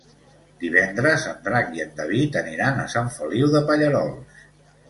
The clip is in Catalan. Divendres en Drac i en David aniran a Sant Feliu de Pallerols.